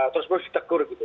terus menerus ditegur gitu